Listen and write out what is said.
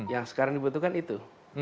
yang sekarang dibutuhkan itu